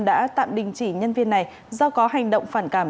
đã tạm đình chỉ nhân viên này do có hành động phản cảm